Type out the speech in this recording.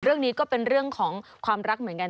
เรื่องนี้ก็เป็นเรื่องของความรักเหมือนกัน